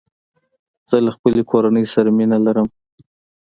زه له خپلي کورنۍ سره مينه لرم